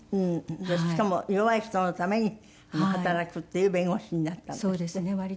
しかも弱い人のために働くっていう弁護士になったんですって？